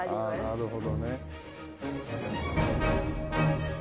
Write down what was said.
なるほどね。